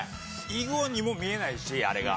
囲碁にも見えないしあれが。